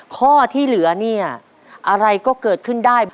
ข้อที่เหลือเนี่ยอะไรก็เกิดขึ้นได้